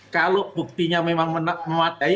kalau buktinya memang memadai